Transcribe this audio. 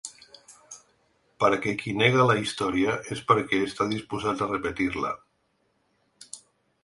Perquè qui nega la història és perquè està disposat a repetir-la.